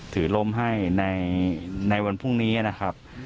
ล้มให้ในวันพรุ่งนี้นะครับ